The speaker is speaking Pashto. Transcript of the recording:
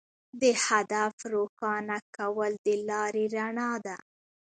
د هدف روښانه کول د لارې رڼا ده.